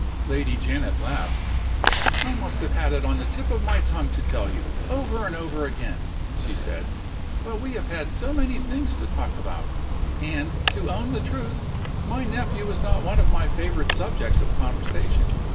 Lady Janet laughed. "I must have had it on the tip of my tongue to tell you, over and over again," she said. "But we have had so many things to talk about and, to own the truth, my nephew is not one of my favorite subjects of conversation.